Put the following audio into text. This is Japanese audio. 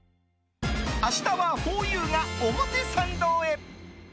明日はふぉゆが表参道へ！